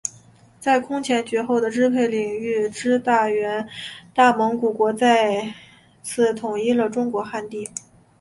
有空前绝后的支配领域之大元大蒙古国再次统一了中国汉地。